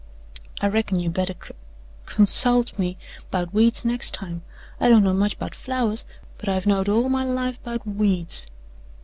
"I reckon you better c consult me 'bout weeds next time. I don't know much 'bout flowers, but I've knowed all my life 'bout WEEDS."